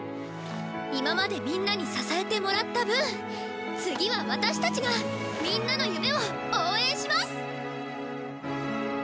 今までみんなに支えてもらった分次は私たちがみんなの夢を応援します！